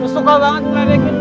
lo suka banget ngedekin gua